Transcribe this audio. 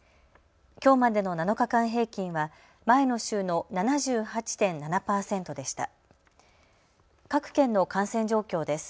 きょうまでの７日間平均は前の週の７８．７％でした。